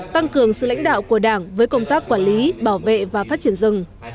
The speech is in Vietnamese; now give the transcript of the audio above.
tăng cường sự lãnh đạo của đảng với công tác quản lý bảo vệ và phát triển rừng